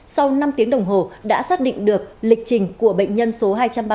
sau năm tiếng đồng hồ đã xác định được lịch trình của bệnh nhân số hai trăm ba mươi